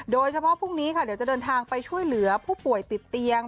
พรุ่งนี้ค่ะเดี๋ยวจะเดินทางไปช่วยเหลือผู้ป่วยติดเตียง